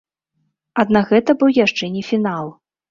Аднак гэта быў яшчэ не фінал.